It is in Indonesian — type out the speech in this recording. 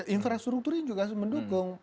infrastruktur juga harus mendukung